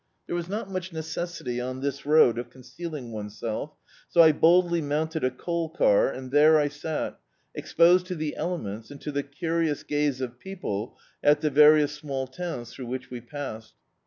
There was not much necessity on this road of con cealing oneself, so I boldly mounted a coal car, and there I sat, exposed to the elements, and to the curious gaze of people at the various small towns throu^ which we passed.